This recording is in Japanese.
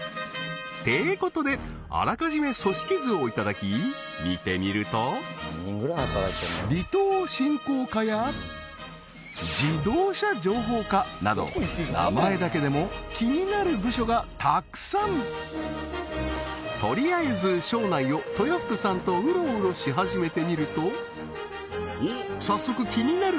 てことであらかじめ組織図をいただき見てみると離島振興課や自動車情報課など名前だけでもとりあえず省内を豊福さんとウロウロし始めてみると早速気になる